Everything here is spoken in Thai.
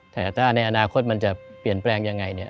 แต่ถ้าในอนาคตมันจะเปลี่ยนแปลงอย่างไร